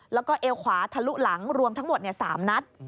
แล้วก็เอวขวาทะลุหลังรวมทั้งหมด๓นัด